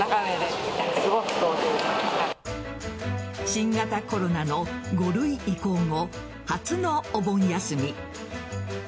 新型コロナの５類移行後初のお盆休み。